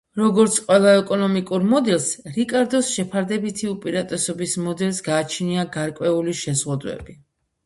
როგორც ყველა ეკონომიკურ მოდელს, რიკარდოს შეფარდებითი უპირატესობის მოდელს გააჩნია გარკვეული შეზღუდვები.